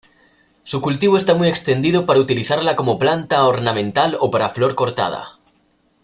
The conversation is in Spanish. Su cultivo está muy extendido para utilizarla como planta ornamental o para flor cortada.